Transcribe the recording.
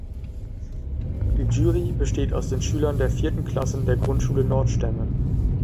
Die Jury besteht aus den Schülern der vierten Klassen der Grundschule Nordstemmen.